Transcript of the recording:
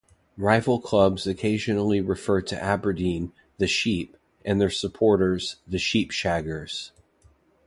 Rival clubs occasionally refer to Aberdeen "The Sheep" and their supporters "The Sheep Shaggers".